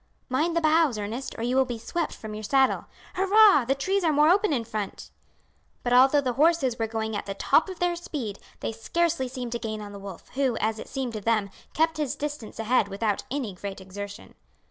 "Mind the boughs, Ernest, or you will be swept from your saddle. Hurrah! The trees are more open in front." But although the horses were going at the top of their speed they scarcely seemed to gain on the wolf, who, as it seemed to them, kept his distance ahead without any great exertion.